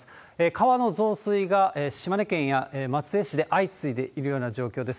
川の増水が島根県や松江市で相次いでいるような状況です。